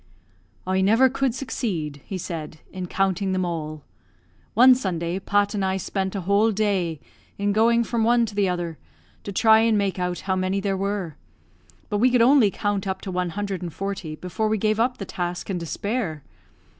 "I never could succeed," he said, "in counting them all. One Sunday Pat and I spent a whole day in going from one to the other, to try and make out how many there were, but we could only count up to one hundred and forty before we gave up the task in despair.